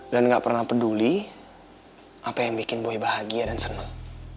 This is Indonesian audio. dan gak pernah peduli apa yang bikin boy bahagia dan senang